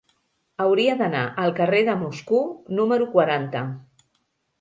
Hauria d'anar al carrer de Moscou número quaranta.